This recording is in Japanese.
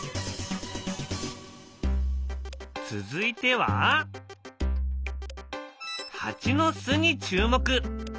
続いてはハチの巣に注目。